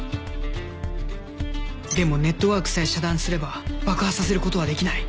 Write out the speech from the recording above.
でもネットワークさえ遮断すれば爆破させることはできない。